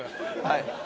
はい。